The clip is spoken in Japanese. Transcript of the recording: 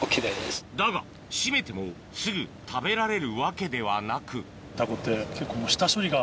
だが締めてもすぐ食べられるわけではなくタコって結構。